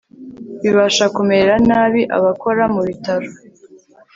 bibasha kumerera nabi abakora mu bitaro